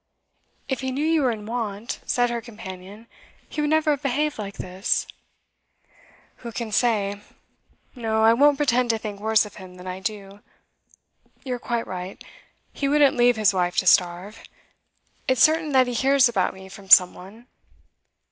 'If he knew you were in want,' said her companion, 'he would never have behaved like this.' 'Who can say? No, I won't pretend to think worse of him than I do. You're quite right. He wouldn't leave his wife to starve. It's certain that he hears about me from some one.